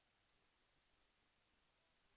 แสวได้ไงของเราก็เชียนนักอยู่ค่ะเป็นผู้ร่วมงานที่ดีมาก